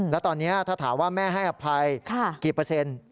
แล้วตอนนี้ถ้าถามว่าแม่ให้อภัยกี่เปอร์เซ็นต์